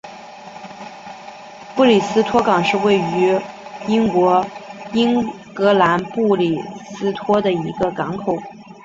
布里斯托港是位于英国英格兰布里斯托的一座港口。